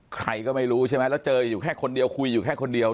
ใครก็ไม่รู้ใช่ไหมแล้วเจออยู่แค่คนเดียวคุยอยู่แค่คนเดียว